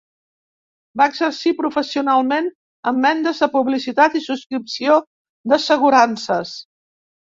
Va exercir professionalment en vendes de publicitat i subscripció d'assegurances.